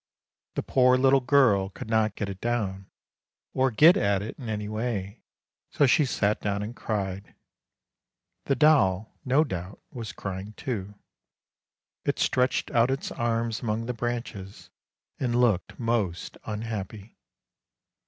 The poor little girl could not get it down, or get at it in any way, so she sat down and cried. The doll no doubt was crying too ; it stretched out its arms among the branches, and looked most unhappy.